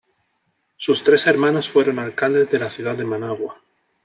Sus tres hermanos fueron alcaldes de la ciudad de Managua.